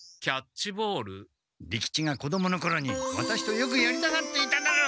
利吉が子どものころにワタシとよくやりたがっていただろう？